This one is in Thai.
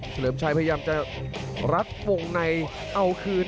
เลิมชัยพยายามจะรัดวงในเอาคืน